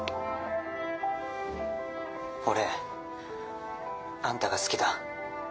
「俺あんたが好きだ」。